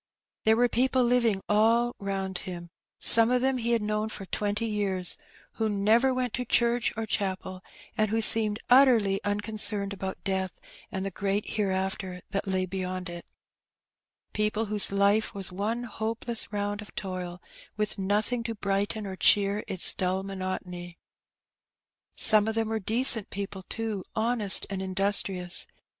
There were people living all round him — some of them he had known for twenty years ^— ^who never went to church or chapel, and who seemed utterly unconcerned about death and the great hereafter that An Experiment. 177 lay beyond it — people whose life was one hopejess round of toil, with nothing to brighten or cheer its ^ull monotony. Some of them were decent people too, honest and indus trious.